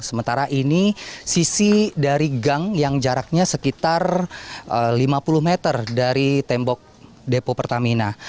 sementara ini sisi dari gang yang jaraknya sekitar lima puluh meter dari tembok depo pertamina